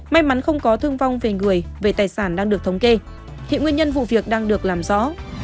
may mắn không có thương vong về người về tài sản đang được thống kê hiện nguyên nhân vụ việc đang được làm rõ